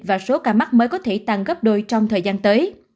và số ca mắc mới có thể tăng gấp đôi trong thời gian tới